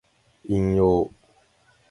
引用